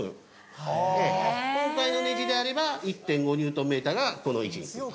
今回のネジであれば１．５ニュートンメーターがこの位置にくると。